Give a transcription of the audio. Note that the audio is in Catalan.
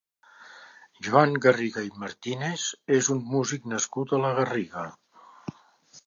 Joan Garriga i Martínez és un músic nascut a la Garriga.